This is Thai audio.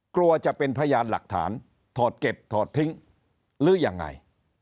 กลัวจะเป็นพยานหลักฐานถอดเก็บถอดทิ้งหรือยังไง